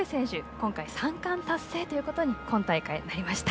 今大会３冠達成ということになりました。